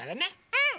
うん！